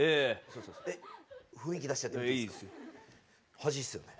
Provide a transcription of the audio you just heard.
端っすよね。